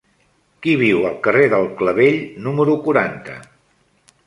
Qui viu al carrer del Clavell número quaranta?